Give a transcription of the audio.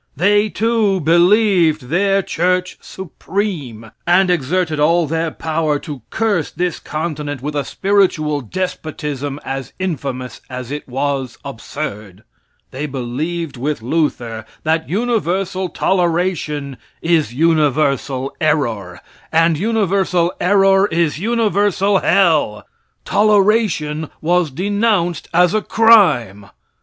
They, too, believed their church supreme, and exerted all their power to curse this continent with a spiritual despotism as infamous as it was absurd. They believed with Luther that universal toleration is universal error, and universal error is universal hell. Toleration was denounced as a crime.